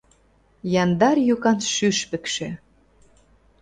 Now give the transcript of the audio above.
Яндар йӱкан шӱшпыкшӧ